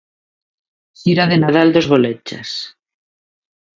Xira de Nadal dos Bolechas.